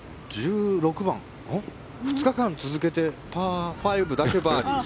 ２日間続けてパー５だけバーディー。